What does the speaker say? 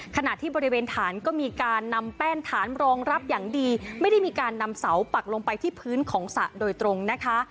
ขณะที่บริเวณฐานก็มีการนำแป้นฐานรองรับอย่างดีไม่ได้มีการนำเสาปักลงไปที่พื้นของสระโดยตรงนะคะ